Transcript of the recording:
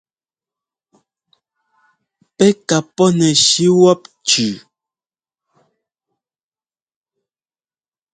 Pɛ́ ka pɔ́nɛshi wɔ́p cʉʉ.